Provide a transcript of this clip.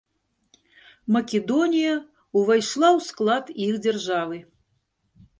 Македонія ўвайшла ў склад іх дзяржавы.